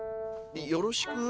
よろしく？